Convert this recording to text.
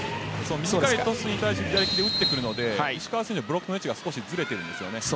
短いトスに対して打ってくるので石川選手のブロックの位置がずれてるんですよね。